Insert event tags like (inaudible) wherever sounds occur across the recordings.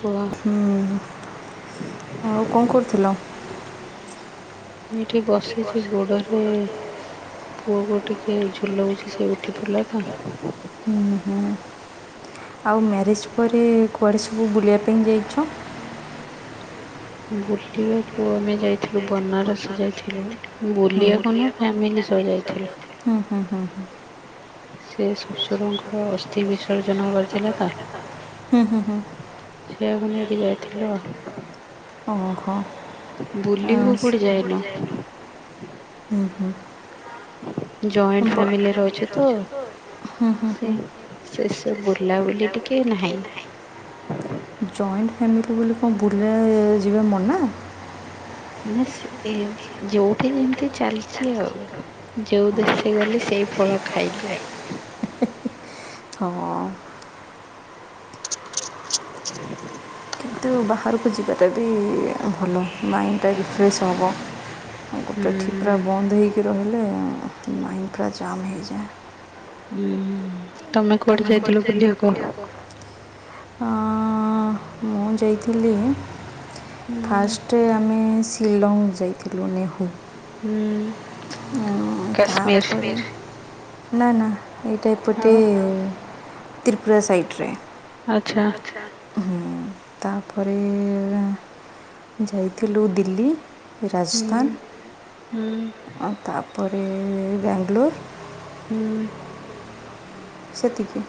କୁହ। ହୁଁ ଆଉ କଣ କରୁଥିଲ? ମୁଁ ଏଇଠି ବସିଛି ଗୋଡରେ। ପୁଅକୁ ଟିକେ ଝୁଲଉଛି ସେଇ ଉଠି ପଡ଼ିଲା ତ। ହୁଁ ହୁଁ। ଆଉ ମ୍ୟାରେଜ ପରେ କୁଆଡ଼େ ସବୁ ବୁଲିବା ପାଇଁ ଯାଇଛ। ବୁଲିବାକୁ ଆମେ ଯାଇଥିଲୁ ବନାରସ ଯାଇଥିଲୁ। ହୁଁ ବୁଲିବାକୁ ନୁହଁ ଫ୍ୟାମିଲି ସବୁ ଯାଇଥିଲୁ। ହୁଁ ହୁଁ ହୁଁ ହୁଁ। ସେ ଶ୍ୱଶୁରଙ୍କର ଅସ୍ଥି ବିସର୍ଜନ ହବାରଥିଲା ତ। ହୁଁ ହୁଁ ହୁଁ। ସେଆକୁ ନେଇକି ଯାଇଥିଲୁ ଆଉ। ଓହୋ ବୁଲିବାକୁ ହିମ୍। କୋଉଠି ଯାଇନୁ (unintelligible) ହୁଁ ହୁଁ। ଜଏଣ୍ଟ ଯଇଣ୍ଟ ଫ୍ୟାମିଲିରେ ଫ୍ୟାମିଲି ଅଛୁ ରେ ତ ରହୁଛୁତ ହୁଁ ହୁଁ ସେ ହୁଁ। ସେସବୁ ବୁଲା ବୁଲି ଟିକେ ନାହିଁ। ଜଏଣ୍ଟ ଫ୍ୟାମିଲି ବୋଲି କଣ ବୁଲିବାକୁ ଯିବା ମନା? ନାନା ଏ ସେ ଯଉଠି ଯେମିତି। ଚାଲିଛି ଆଉ ଯେଉଁ ଦେଶେ ଗଲି ସେଇ ଫଳ ଖାଇଲି ଆଉ। ହଁ ହ କିନ୍ତୁ ବାହାରକୁ ଯିବାଟା ବି ଭଲ ମାଇଣ୍ଡଟା ରିଫ୍ରେଶ ହେବ ଆଉ ଗୋଟାଠି ହୁଁ ପୁରା ବନ୍ଦ ହେଇକି ରହିଲେ ମାଇଣ୍ଡ ପୁରା ଯାମ୍ ହେଇଯାଏ ହୁଁ ହଁ (inaudible) ତମେ କୁଆଡ଼େ ଯାଇଥିଲ ବୁଲିବା କୁ ଅଁ ମୁଁ ଯାଇଥିଲି ହୁଁ ଫାଷ୍ଟ ଆମେ ଶିଲଙ୍ଗ ଯାଇଥିଲୁ ନେହୁ ହୁଁ କାଶ୍ମୀର ତାପରେ ନା ନା ଏଇଟା ଏପଟେ ଆଉ ତ୍ରିପୁରା ସାଇଟ୍ ରେ ଆଚ୍ଛା ହୁଁ ତାପରେ ଯାଇଥିଲୁ ଦିଲ୍ଲୀ ହୁଁ ରାଜସ୍ଥାନ ହୁଁ ଆଉ ତାପରେ ବାଙ୍ଗଲୋର ହୁଁ ସେତିକି।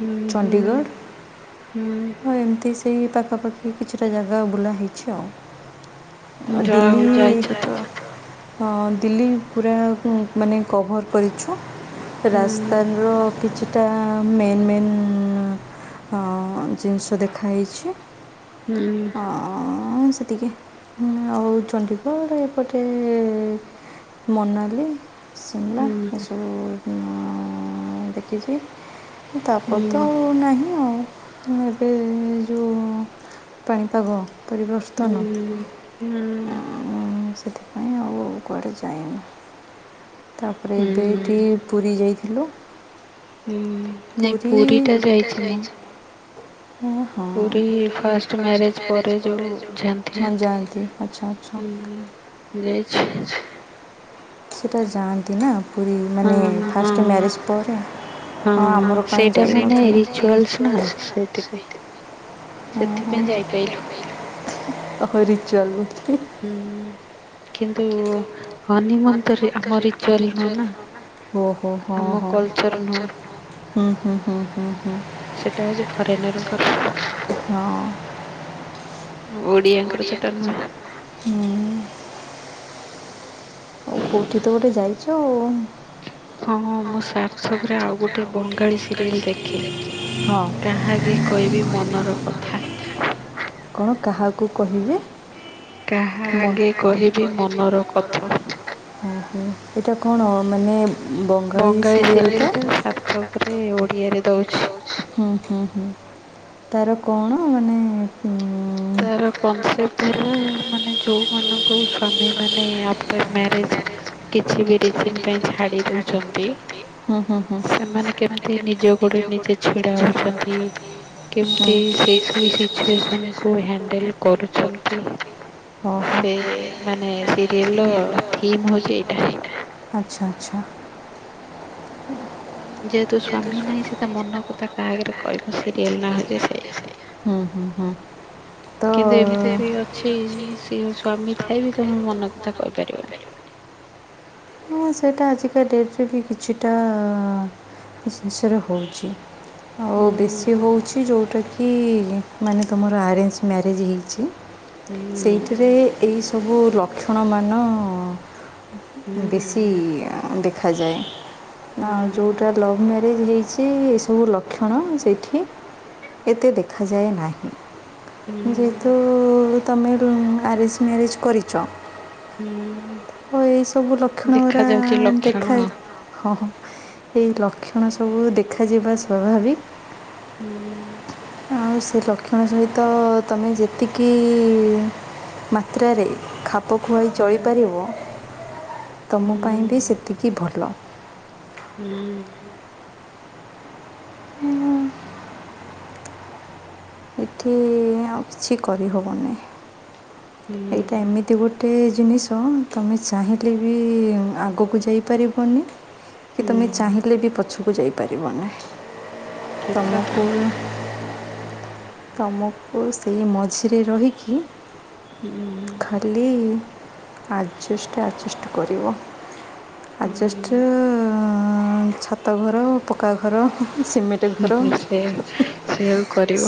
ହୁଁ ହୁଁ ଚଣ୍ଡିଗଡ଼଼। ହୁଁ ହଁ ଏମିତି ସେଇ ପାଖାପାଖି କିଛିଟା ଜାଗା ବୁଲା ହେଇଛି ଆଉ। ଯା ହଉ ଯାଇଛ ଦିଲ୍ଲୀ। ତ ହଁ ଦିଲ୍ଲୀ ପୁରା ମାନେ କଭର୍ କରିଛୁ। ହୁଁ ରାସ୍ତାନ ର କିଛିଟା ମେନ୍ ମେନ୍ ହଁ ଜିନିଷ ଦେଖାହେଇଛି। ହୁଁ ହଁ ସେତିକି ଆଉ ଚଣ୍ଡିଗଡ଼ ଏପଟେ। ମନାଲି ଶିମଲା ହୁଁ ହୁଁ ଏସବୁ ଦେଖିଛି ତାପ କ ହୁଁ ତ ଆଉ ନାହିଁ ଆଉ ଏବେ ଯୋଉ ପାଣିପାଗ ପରିବର୍ତ୍ତନ ହୁଁ ହୁଁ ସେଥିପାଇଁ ଆଉ କୁଆଡ଼େ ଯାଏନି। ତାପରେ ଏବେ ହୁଁ ଏଇଠି ପୁରୀ ଯାଇଥିଲୁ। ହୁଁ ପୁରୀ (unintelligible) ପୁରୀ ଫାଷ୍ଟ ମ୍ୟାରେଜ ପରେ ଯୋଉ ଯାଆନ୍ତି। ହଁ ଯାଆନ୍ତି ଆଚ୍ଛା ଆଚ୍ଛା ଯାଇଛି ସେଟା ଯାଆନ୍ତି ନା। ପୁରୀ ହଁ ମାନେ ଫାଷ୍ଟ ହଁ ମ୍ୟାରେଜ୍ ପରେ ହଁ ଆମର (unintelligible) ଓ ସେଇଟା ମାନେ ରିଚୁଆଲସ ନା ସେଥିପାଇଁ। ସେଥିପାଇଁ ଯାଇପାଇଲୁ ହୁଁ। ରିଚୁଆଲ (unintelligible) ହୁଁ କିନ୍ତୁ ହନିମୂନ କରି ଆମର ରିଚୁଆଲ ନୁହଁ ନା। ଓହୋ ହଁ ଆମ ହୁଁ କଲଚର ନୁହଁ ହୁଁ ହୁଁ ହୁଁ ହଁ। ଏଇଟା ହଉଛି ଫରେନରଙ୍କର (unintelligible) ହଁ ଓଡ଼ିଆଙ୍କର ସେଇଟା ନୁହେଁ। ହୁଁ ଆଉ କେଉଠି ତ ଗୋଟେ ଯାଇଛ ଆଉ। ହଁଁ ହଁ ମୁଁ ସାର୍ଥକରେ ଆଉ ଗୋଟେ ବଙ୍ଗାଳୀ ସିରିଏଲ ଦେଖେ। ହଁ କାହାଗେ କହିବି ମନର କଥା। କଣ କାହାକୁ କହିବି କାହା ଆଗେ (unintelligible) କହିବି ମନର କଥା। (unintelligible) ଏଇଟା କଣ ମାନେ ବଙ୍ଗାଳୀ ସିରିଏଲ ଟା ସାର୍ଥକରେ ଓଡ଼ିଆରେ ଦଉଛି। ହୁଁ ହୁଁ ହୁଁ ତାର କଣ ମାନେ ତାର କନସେପ୍ଟ ହେଲା ମାନେ ଯୋଉମାନଙ୍କୁ କୋଉ ସ୍ଵାମୀ ମାନେ ଆଫଟର ମ୍ୟାରେଜ କିଛି ବି ରିଜିନ୍ ପାଇଁ ଛାଡ଼ି ଦେଉଛନ୍ତି। ହୁଁ ହୁଁ ହୁଁ ହୁଁ ସେମାନେ କେମତି ନିଜ ଗୋଡରେ ନିଜେ ଛିଡା ହେଉଛନ୍ତି। କେମିତି ସେଇ ସବୁ ସିଚୁଏସନ୍ କୁ ହ୍ୟାଣ୍ଡଲ କରୁଛନ୍ତି। ଓହୋ ସେ ମାନେ ସିରିଏଲ ର ଥିମ୍ ହଉଛି ଏଇଟା। ଆଚ୍ଛା! ଆଚ୍ଛା! ଯେହେତୁ ସ୍ଵାମୀ ନାହିଁ ସେ ତା ମନକଥା କାହା ଆଗରେ କହିବ ସିରିଏଲ ନା ହଉଛି ସେଇଆ। ହଁ, ହଁ, ହଁ। କିନ୍ତୁ ଏମିତି ବି ଅଛି ସି ସ୍ୱାମୀ ଥାଇ ବି ଥାଇବି ତୋ ମନ କଥା କହିପାରିବୁନି। ହଁ ସେଇଟା ଆଜିକା ଡେଟ୍ ରେ ବି କିଛିଟା କିଛି ଜିନିଷରେ ହଉଛି। ଆଉ ହୁଁ ବେଶୀ ହଉଛି ଯୋଉଟା କି ମାନେ ତୁମର ଆରେଞ୍ଜ ମ୍ୟାରେଜ୍ ହେଇଛି। ହୁଁ। ସେଇଥିରେ ଏହି ସବୁ ଲକ୍ଷଣମାନ ବେଶି ହୁଁ ଦେଖାଯାଏ। ହୁଁ ଆଉ ଯୋଉଟା ଲଭ୍ ମ୍ୟାରେଜ୍ ହେଇଛି ଏ ସବୁ ଲକ୍ଷଣ ସେଠି ଏତେ ଦେଖାଯାଏ ନାହିଁ। ହୁଁ ଯେହେତୁ ତୋମେ ଦୁହେଁ ଆରେଞ୍ଜ ମ୍ୟାରେଜ୍ କରିଚ। ହୁଁ। ଓ ଏଇ ସବୁ ଲକ୍ଷଣ ଗୁରା ଦେଖାଯାଉଛି ଲକ୍ଷଣ ଦେଖା ହଁ, ହଁ ଏଇ ଲକ୍ଷଣ ସବୁ ଦେଖାଯିବା ସ୍ୱାଭାବିକ। (inaudible) ଆଉ ସେ ଲକ୍ଷଣ ସହିତ ତୋମେ ଯେତିକି ମାତ୍ରାରେ ଖାପ ଖୁଆଇ ହୁଁ ଚଳିପାରିବ, ତୋମ ହୁଁ ପାଇଁ ବି ସେତିକି ଭଲ। ହୁଁ ଅଁ, ହଁ। ଏଠି ଆଉ କିଛି କରିହବନି, ହୁଁ ଏଇଟା ଏମିତି ଗୋଟେ ଜିନିଷ ତୁମେ ଚାହିଁଲେ ବି ଆଗକୁ ଯାଇ ପାରିବନି। କି ତୁମେ ହୁଁ ଚାହିଁଲେ ବି ପଛକୁ ଯାଇ ପାରିବନାହିଁ। ଠିକ କଥା ତୋମକୁ ତୋମକୁ ସେଇ ମଝିରେ ରହିକି ହୁଁ ଖାଲି ଆଡ଼ଜେଷ୍ଟ ଆଡ଼ଜେଷ୍ଟ କରିବ। ଆଜବେଷ୍ଟ ହୁଁ ଅଁ, ଛାତଘର ପକ୍କା ଘର। ସିମେଣ୍ଟ ଘର। ହୁଁ ସେ ସେଉ କରିବ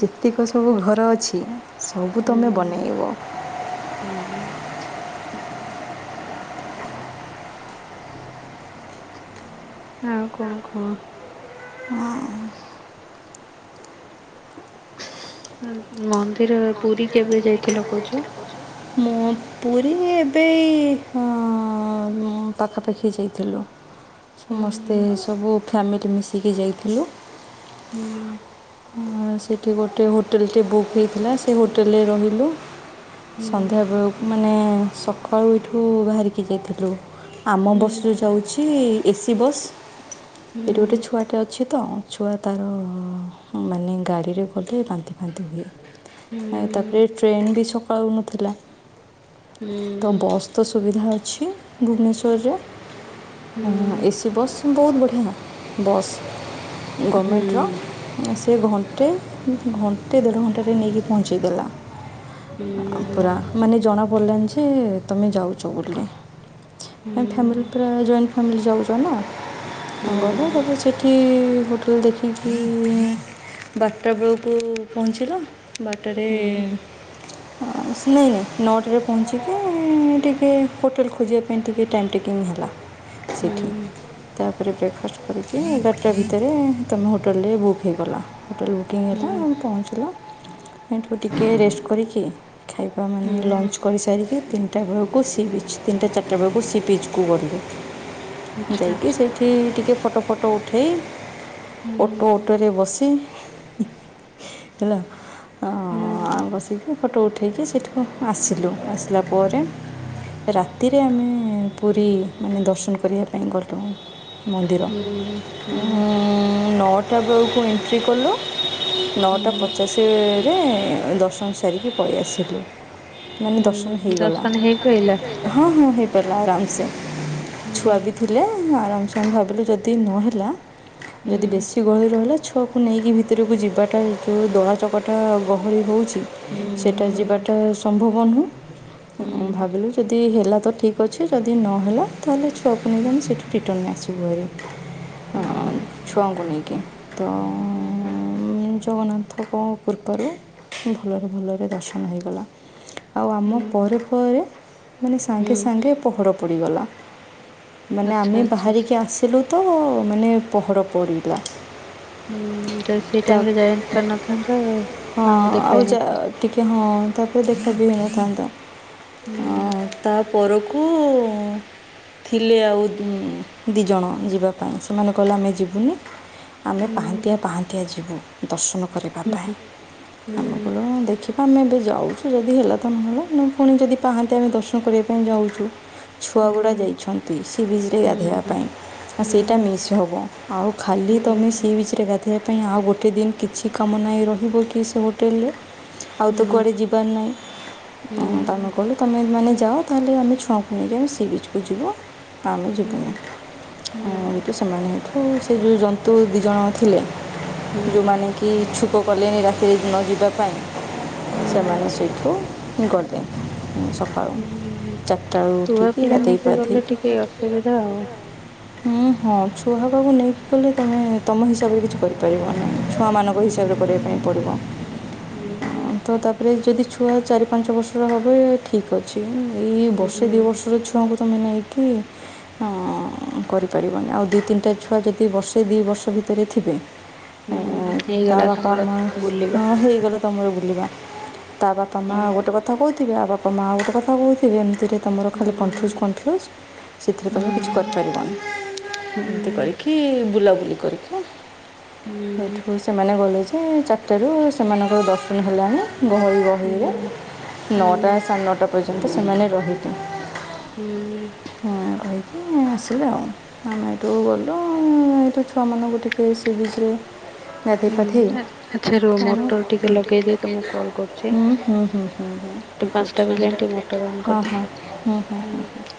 ଯେତିକ ସବୁ ଘର ଅଛି, ସବୁ ହୁଁ ତୋମେ ବନେଇବ। ହୁଁ। ଆଉ କଣ କଅ? ମନ୍ଦିର ର ପୁରୀ କେବେ ଯାଇଥିଲ କହୁଛ? ମୁଁ ପୁରୀ ଏବେ ଏଇ ହଁ ମୁଁ ପାଖାପାଖି ଯାଇଥିଲୁ। ସମସ୍ତେ ହୁଁ ସବୁ ଫ୍ୟାମିଲି ମିଶିକି ଯାଇଥିଲୁ। ହୁଁ ଆଉ ସେଠି ଗୋଟେ ହୋଟେଲ୍ ଟେ ବୁକ୍ ହେଇଥିଲା। ସେ ହୋଟେଲ୍ ରେ ରହିଲୁ। ହୁଁ ସନ୍ଧ୍ୟାବେଳକୁ ମାନେ ସକାଳୁ ଏଠୁ ବାହାରିକି ଯାଇଥିଲୁ। ଆମ ବସ୍ ରେ ହୁଁ ଯାଉଛି ଏସି ବସ୍। ହୁଁ ଏଇଠି ଗୋଟେ ହୁଁ ଛୁଆଟେ ଅଛି ତୋ। ଛୁଆ ତାର ହଁ ମାନେ ଗାଡ଼ିରେ ଗଲେ ବାନ୍ତି ଫାନ୍ତି ହୁଏ। ଏଁ, ତାପରେ ହୁଁ ଟ୍ରେନ୍ ବି ସକାଳୁ ନଥିଲା। ତ ବସ୍ ତ ସୁବିଧା ଅଛି ଭୁବନେଶ୍ୱରରେ। ହଁ ଏସି ବସ୍ ବହୁତ ବଢ଼ିଆ ବସ୍ ହୁଁ ଗମେଣ୍ଟର। ହୁଁ ଏ ସେ ଘଣ୍ଟେ ଘଣ୍ଟେ ଦେଢ଼ ଘଣ୍ଟାରେ ନେଇକି ପହଞ୍ଚିଗଲା। ପୁରା ମାନେ ଜଣାପଡ଼ିଲାଣି ଯେ ତୋମେ ଯାଉଛ ବୋଲି। ଆ, ଫ୍ୟାମିଲି ପୁରା ଜଏଣ୍ଟ ଫ୍ୟାମିଲି ଯାଉଚ ନା। ଘରୁ ତ ସେଠି ହୋଟେଲ ଦେଖିକି ବାରଟା ବେଳକୁ ପହଞ୍ଚିଲା ବାରଟାରେ ସେ ନଅଟାରେ ପହଞ୍ଚିକି ଟିକେ ହୋଟେଲ ଖୋଜିବା। ପାଇଁ ଟିକେ ଟାଇମ୍ ଟେକିଙ୍ଗ ଟିକେ ହିଁ ହେଲା। ସେଇଠି ହୁଁ। ତାପରେ ବ୍ରେକ୍ଫାଷ୍ଟ କରିକି ଏଗାରଟା ଭିତରେ ତୁମେ ହୋଟେଲରେ ବୁକ୍। ବୁ ହେଇଗଲା ହୋଟେଲ ବୁକିଙ୍ଗ ହେଲା ଆଉ ପହଞ୍ଚିଲା ଏତିକୁ ଟିକିଏ ରେଷ୍ଟ କରିକି। ଖାଇବା ମାନେ ଲଞ୍ଚ୍ କରିସାରିକି ତିନିଟା ବେଳକୁ ସି ବିଚ୍ କୁ ତିନିଟା ଚାରିଟା ବେଳକୁ ସି ବିଚ୍ କୁ ଯିବେ। ଯାଇକି ସେଇଠି ଟିକେ ଫଟୋ ଫଟୋ ଉଠାଇ ଅଟୋ ଅଟୋରେ ବସି ହେଲା। ବସିକି ଫଟୋ ଉଠେଇକି ସେଇଠିକୁ ଆସିଲୁ ଆସିଲା ପରେ ରାତିରେ ଆମେ ପୁରୀ ମାନେ ଦର୍ଶନ କରିବା ପାଇଁ ଗଲୁ। ମନ୍ଦିର ହୁଁ ନଅଟା ଆଠଟା ବେଳକୁ ଏଣ୍ଟ୍ରି କଲୁ ନଅଟା ପଚାଶ ରେ ଦର୍ଶନ ସାରିକି ପଳେଇ ଆସିଲୁ ମାନ ଦଶ ହଁ ଦର୍ଶନ ହେଇପାଇଲା? ହଁ ହେଇ ପାରିଲା ଆରା୍ମସେ। ଆରାମସେ ଭାବିଲୁ ଯଦି ନ ହେଲା ଯଦି ବେ ଛୁଆକୁ ନେଇକି ଭିତରକୁ ଯିବାଟା ଯୋଉ ଦଳା ଚକଟା ଗହଳି ହଉଛି। ଟା ଯିବାଟା ସମ୍ଭବ ନୁହେଁ। ଭାବିଲୁ ଯଦି ହେଲା ତ ଠିକ ଅଛି ଯଦି ନହେଲା ତାହେଲେ ଛୁଆକୁୁ ନେଇ କି ସେଠା ରିଟର୍ନ ଆସିବୁ ଘରେ ଛୁଆଙ୍କୁ ନେଇକି ତ ଜଗନ୍ନାଥଙ୍କ କୃପାରୁ ଭଲରେ ଭଲରେ ଦର୍ଶନ ହୋଇଗଲା। ଆଉ ଆମ ପରେ ପରେ ମାନେ ସାଙ୍ଗେ ସାଙ୍ଗେ ପହର ପଡ଼ିଗଲା ମାନେ ଆଚ୍ଛା ଆମେ ଆଚ୍ଛା। ବାହାରିକି ଆସି ଲୁ ତ ମାନେ ପହଡ଼ ପଡ଼ିଲା। ହୁଁ ସେଇ ତା ଟାଇମରେ ଯାଇ ପାରିନଥାନ୍ତା ଆଉ ଦେଖା ହେଇନଥାନ୍ତା। ଟିକେ ହଁ ତାପରେ ଦେଖା ବି ହୋଇନଥାନ୍ତା। ହୁଁ ତା ପରକୁ ଥିଲେ ଆଉ ଦୁଇଜଣ ଯିବା ପାଇଁ ସେମାନେ କହିଲେ ଆମେ ଯିବୁନି। ଆମେ ହୁଁ ପାହାନ୍ତିଆ ପାହାନ୍ତିଆ ଯିବୁ ଦର୍ଶନ କରିବା ପାଇଁ ହୁଁ ଆମେ (unintelligible) ଆମେ ଏବେ ଯାଉଛୁ ଯଦି ହେଲା ତ ନହେଲା ପୁଣି ଯଦି ପାହାନ୍ତିଆ ଆମେ ଦର୍ଶନ କରିବା ପାଇଁ ଯାଉଛୁ। ଛୁଆଗୁଡ଼ା ହୁଁ ଯାଇଛନ୍ତି ସି ବିଚରେ ଗାଧୋଇବା ହୁଁ ପାଇଁ ଆଉ ସେଇଟା ହୁଁ। ମିସ୍ ହେବ ଆଉ ଖାଲି ତୁମେ ଛୁଆ ସି ବିଚରେ ଗାଧୋଇବା ପାଇଁ ଆଉ ଗୋଟେ ଦିନ କିଛି କାମ ନାହିଁ ରହିବ କି ସେ ହୋଟେଲରେ? ଆଉ ତ କୁଆଡ଼େ ଯିବାର ନାହିଁ। ହ ତମେ କହିଲ ତମେ ମାନେ ଯାଅ ତାହେଲେ ଆମେ ଛୁଆକୁ ନେଇକି ଆମେ ସି ବିଚ କୁ ଯିବ। ଆମେ ଯିବୁନିଁ ଏଇତ ସେମାନେ ହେଠ। ସେ ଯୋଉ ଜନ୍ତୁ ଦିଜଣ ଥିଲେ। ଯୋଉମାନେ କି ଇଚ୍ଛୁକ କଲେଣି ରାତିରେ ନ ଯିବା ପାଇଁ। ସେମାନେ ସେଇଠୁ ହ କରିଦିନ୍ତି ସକାଳୁ। ଚାରିଟା ବେଳୁ ଉଠିକି ପିଲା ରାତି ଗାଧେଇ ନେଇକି ଗଲେ ପାଧେଇକି ଟିକେ ଅସୁବିଧା ଆଉ। (unintelligible) ହୁଁ ହଁ ଛୁଆ ପାହାକୁ ନେଇକି ଗଲେ ତମେ ତମ ହିସାବରେ କିଛି କରିପାରିବ ନାହିଁ। ଛୁଆମାନଙ୍କ ହିସାବରେ କରିବା ପାଇଁ ପଡ଼ିବ ତ ତା ଏରେ ଯଦି ଛୁଆ ଚାରି ପାଞ୍ଚ ବର୍ଷର ହେବେ ଠିକ୍ ଅଛି ଏଇ ବର୍ଷେ ଦୁଇ ବର୍ଷର ଛୁଆ ଛୁଆଙ୍କୁ ତୁମେ ନେଇକି କରିପାରିବନି ଆଉ ଦୁଇ ତିନିଟା ଛୁଆ। ପ୍ରତି ବର୍ଷେ ଦି ବର୍ଷ ଭିତରେ ଥିବେ। ତା ହେଇଗଲା ବାପା ତମର ମା ବୁଲିବା। ହଁ ହେଇଗଲେ ସମୟରେ ବୁଲିବା ତା ବାପା ମାଆଆଉ ଗୋଟେ କଥା କହୁଥିବେ ଆଉ ବାପା ମାଆଉ ଗୋଟେ କଥା କହୁଥିବେ ଏମିତିରେ ତୁମର ଖାଲି କନଫ୍ୟୁଜ୍ କନଫ୍ୟୁଜ୍ ସେଥିରେ ତୁମେ କିଛି କରିପାରିବନି ଏମିତି କର କି ବୁଲାବୁଲି କରିକି ସେଇଠୁ ସେମାନେ ଗଲେ ଯେ ଚ ସେଠାରୁ ସେମାନଙ୍କର ଦର୍ଶନ ହେଲେ ଆମେ ଗହଳି ଗହରେ ନଅଟା ସାଢ଼େ ନଅଟା ଏ ପର୍ଯ୍ୟନ୍ତ ସେମାନେ ରହିିବେ ହୁଁ ହୁ ହେଇକି ଆସିଲୁ ଆଉ ଆମେ ଏଇଠୁ ଗଲ ହ ଏଇଠୁ ଛୁଆ ମାନଙ୍କୁ ଟିକେ ସିଝିଛି ଗାଧେଇ ପାଥେଇ ଆଚ୍ଛା ରୁହ ହୁଁ ମଟର ହୁଁ ଟିକେ ହଁ ହ ହ ଠିକ୍ ଲଗେଇଦିଏ ତମକୁ ଅଛି କଲ୍ କରୁଛି। ହଁ ହଁ ହୁଁ ହୁଁ ପାଞ୍ଚଟା ବାଜିଲାଣି ଟିକେ ମଟର ଅନ୍ କରିଦିଏ। ହୁଁ ହୁଁ